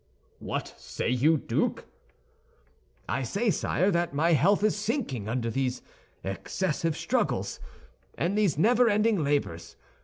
"What say you, Duke?" "I say, sire, that my health is sinking under these excessive struggles and these never ending labors.